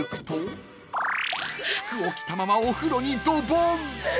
［服を着たままお風呂にドボン］